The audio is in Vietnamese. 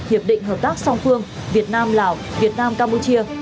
hiệp định hợp tác song phương việt nam lào việt nam campuchia